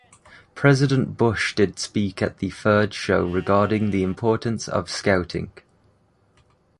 President Bush did speak at the third show regarding the importance of Scouting.